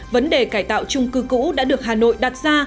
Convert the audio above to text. vấn đề cải tạo trung cư cũ đã được hà nội đặt ra